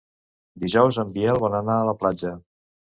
Dijous en Biel vol anar a la platja.